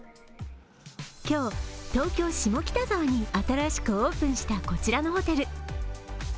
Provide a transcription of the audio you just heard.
今日、東京・下北沢に新しくオープンした、こちらのホテル。